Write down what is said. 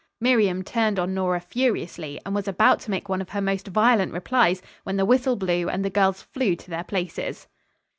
Miriam turned on Nora furiously, and was about to make one of her most violent replies, when the whistle blew and the girls flew to their places.